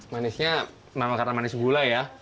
manisnya memang karena manis gula ya